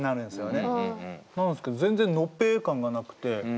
なんですけど全然のぺ感がなくて。